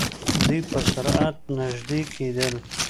دوئ په سرعت نژدې کېدل.